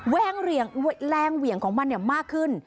แว้งเหวี่ยงแรงเหวี่ยงของมันเนี่ยมากขึ้น